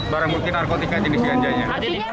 barang bukti narkotika jenis ganjanya